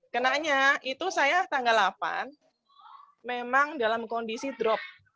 kenanya itu saya tanggal delapan memang dalam kondisi drop